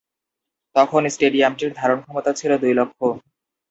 তখন স্টেডিয়ামটির ধারণক্ষমতা ছিলো দুই লক্ষ।